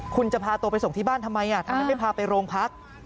คุณจะพาตัวไปส่งที่บ้านทำไมทำไมไม่พาไปโรงพัก